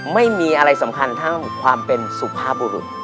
ไม่มีอะไรสำคัญทั้งความเป็นสุภาพบุรุษ